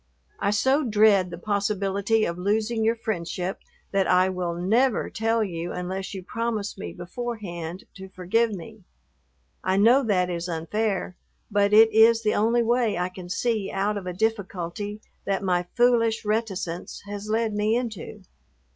I so dread the possibility of losing your friendship that I will never tell you unless you promise me beforehand to forgive me. I know that is unfair, but it is the only way I can see out of a difficulty that my foolish reticence has led me into.